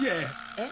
えっ？